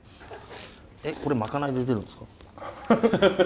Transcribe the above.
これまかないで出るんですか？